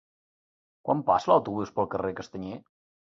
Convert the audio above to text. Quan passa l'autobús pel carrer Castanyer?